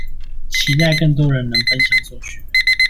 期待更多人能分享所學